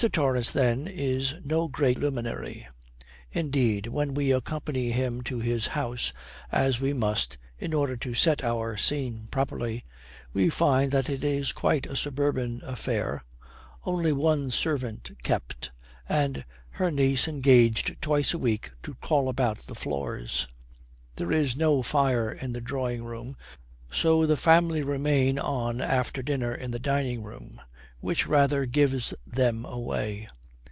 Torrance, then, is no great luminary; indeed, when we accompany him to his house, as we must, in order to set our scene properly, we find that it is quite a suburban affair, only one servant kept, and her niece engaged twice a week to crawl about the floors. There is no fire in the drawing room, so the family remain on after dinner in the dining room, which rather gives them away.